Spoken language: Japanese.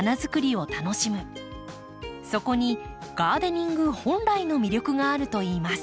そこにガーデニング本来の魅力があるといいます。